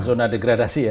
zona degradasi ya